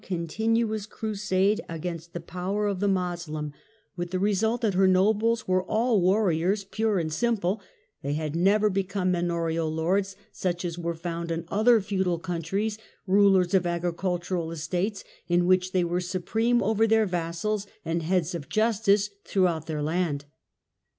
1 T\/r 1 dition continuous crusade agamst the power ot the Moslem, 16 242 THE END OF THE MIDDLE AGE with the result that her nobles were all warriors pure and simple ; they had never become manorial lords such as were found in other feudal countries, rulers of agricultural estates in which they were supreme over their vassals and heads of justice throughout their land.